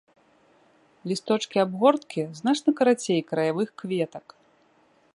Лісточкі абгорткі значна карацей краявых кветак.